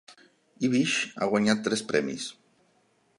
Ibish ha guanyat tres premis.